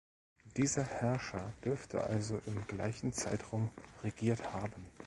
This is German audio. Dieser Herrscher dürfte also im gleichen Zeitraum regiert haben.